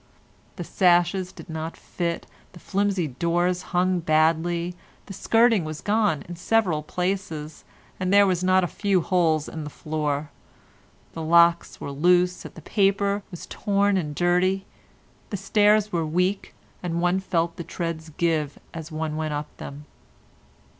The sashes did not fit, the flimsy doors hung badly; the skirting was gone in several places, and there were not a few holes in the floor; the locks were loose, and paper was torn and dirty; the stairs were weak and one felt the treads give as one went up them.